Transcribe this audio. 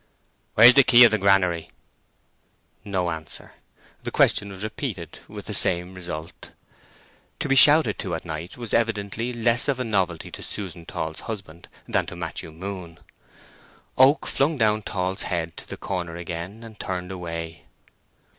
"Where's the key of the granary?" No answer. The question was repeated, with the same result. To be shouted to at night was evidently less of a novelty to Susan Tall's husband than to Matthew Moon. Oak flung down Tall's head into the corner again and turned away.